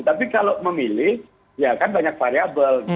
tapi kalau memilih ya kan banyak variable